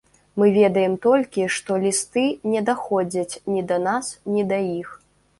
Мы ведаем толькі, што лісты не даходзяць ні да нас, ні да іх.